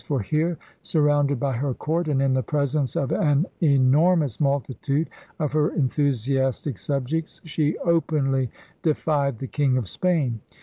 For here, surrounded by her court, and in the presence of an enormous multitude of her enthusiastic sub jects, she openly defied the King of Spain.